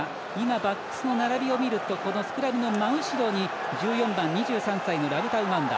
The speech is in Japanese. バックスの並びを見るとスクラムの真後ろに１４番、２３歳のラブタウマンダ。